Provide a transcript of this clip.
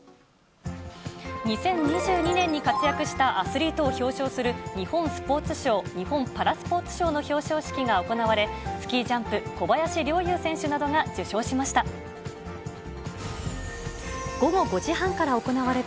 ２０２２年に活躍したアスリートを表彰する日本スポーツ賞・日本パラスポーツ賞の表彰式が行われ、スキージャンプ、小林陵侑選手などが受賞しました。